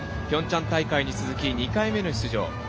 ピョンチャン大会に続き２回目の出場。